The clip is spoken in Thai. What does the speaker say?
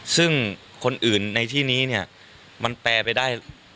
ซึ่งคนอื่นในที่นี้มันแปรไปได้